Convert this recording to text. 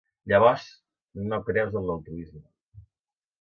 Llavors, no creus en l"altruisme.